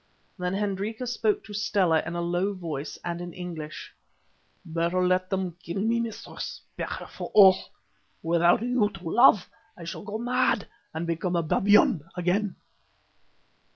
Then Hendrika spoke to Stella in a low voice and in English— "Better let them kill me, mistress, better for all. Without you to love I shall go mad and become a babyan again."